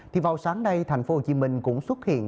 thì vào sáng nay thành phố hồ chí minh cũng xuất hiện